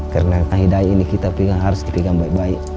karena hidayah ini kita harus dipinggang baik baik